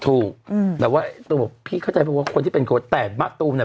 ถูกอืมแต่ว่าต้องบอกพี่เข้าใจไหมว่าคนที่เป็นแต่บะตูมน่ะ